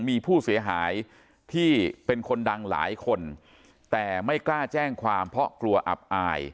มีผู้เสียหายที่เป็นคนดังหลายคนแต่ไม่กล้าแจ้งความเพราะกลัวอับอาย